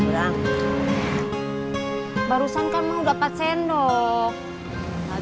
tidak ada yang tahu